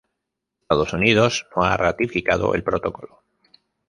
Estados Unidos no ha ratificado el Protocolo.